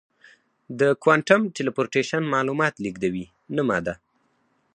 د کوانټم ټیلیپورټیشن معلومات لېږدوي نه ماده.